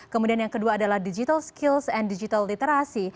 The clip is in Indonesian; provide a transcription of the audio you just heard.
kemudian yang kedua adalah digital skills and digital literasi